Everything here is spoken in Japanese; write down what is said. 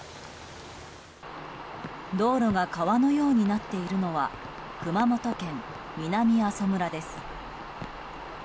道路が川のようになっているのは熊本県南阿蘇村です。